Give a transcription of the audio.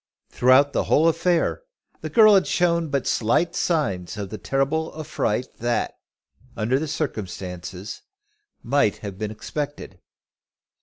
Throughout the whole affair the girl had shown but slight signs of the terrible affright that, under the circumstances, might have been expected.